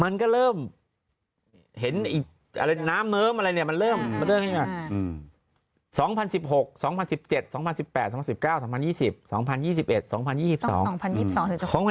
มันก็เริ่มเห็นอีกน้ำเมิ้มอะไรเนี่ยมันเริ่มมันเริ่มขึ้นมา